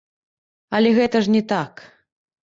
Але гэта ж не так.